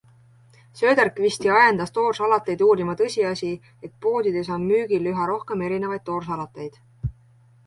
Söderqvisti ajendas toorsalateid uurima tõsiasi, et poodides on müügil üha rohkem erinevaid toorsalateid.